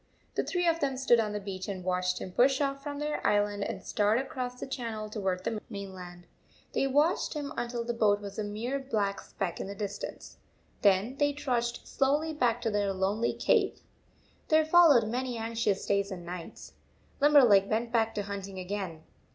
The three of them stood on the beach and watched him push off from their island and start across the channel toward the main land. They watched him until the boat was a mere black speck in the distance. Then they trudged slowly back to their lonely cave. There followed many anxious days and nights. Limberleg went back to hunting again.